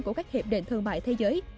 của các hiệp định thương mại thế giới